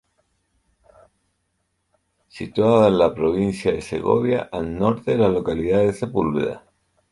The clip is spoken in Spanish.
Situada en la provincia de Segovia al Norte de la localidad de Sepúlveda.